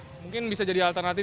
mungkin bisa jadi alternatif